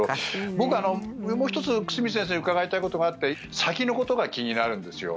僕はもう１つ久住先生に伺いたいことがあって先のことが気になるんですよ